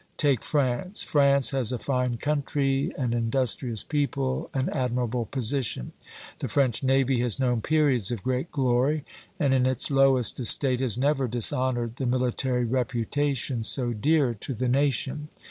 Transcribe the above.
Take France. France has a fine country, an industrious people, an admirable position. The French navy has known periods of great glory, and in its lowest estate has never dishonored the military reputation so dear to the nation.